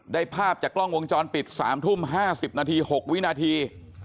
ภาพจากกล้องวงจรปิด๓ทุ่ม๕๐นาที๖วินาที